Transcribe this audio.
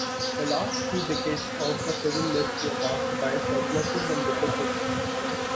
The last two decades of the Civil List were marked by surpluses and deficits.